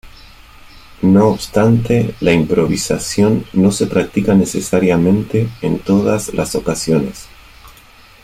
No obstante, la improvisación no se practica necesariamente en todas las ocasiones.